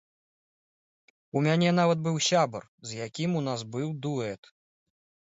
У мяне нават быў сябар, з якім у нас быў дуэт.